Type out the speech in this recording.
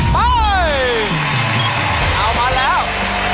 ไปเอามาแล้ว